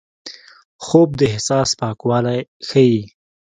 خوب د احساس پاکوالی ښيي